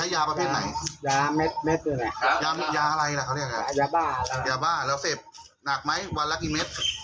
ยาประเภทไหนยาเม็ดอะไรยาบ้าแล้วเสพหนักไหมวันละกี่เม็ด